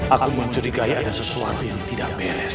akan mencurigai ada sesuatu yang tidak beres